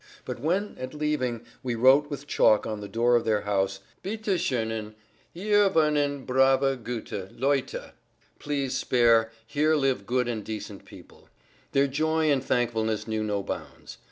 But when, at leaving, we wrote with chalk on the door of their houses "Bitte schonen, hier wohnen brave, gute, Leute!" (Please spare, here live good and decent people) their joy and thankfulness knew no bounds.